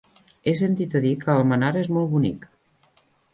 He sentit a dir que Almenara és molt bonic.